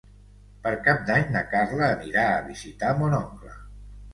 Per Cap d'Any na Carla anirà a visitar mon oncle.